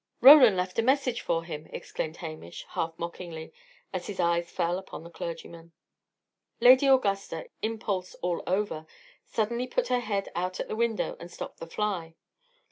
"Roland left a message for him!" exclaimed Hamish, half mockingly, as his eyes fell upon the clergyman. Lady Augusta, impulse all over, suddenly put her head out at the window and stopped the fly.